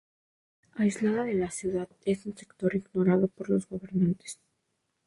Aislada de la ciudad es un sector ignorado por los gobernantes.